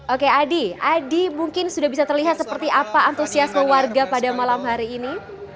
oke adi adi mungkin sudah bisa terlihat seperti apa antusiasme warga pada malam hari ini